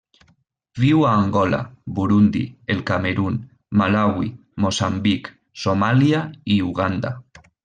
Viu a Angola, Burundi, el Camerun, Malawi, Moçambic, Somàlia i Uganda.